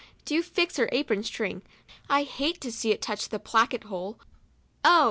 do fix her apron string, I hate to see it touch the placket hole." " Oh !